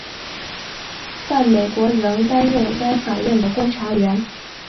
但美国仍担任该法院的观察员。